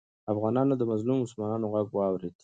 افغانانو د مظلومو مسلمانانو غږ واورېد.